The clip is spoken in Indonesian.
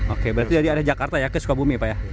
oke berarti dari arah jakarta ya ke sukabumi pak ya